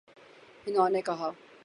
انہوں نے کہا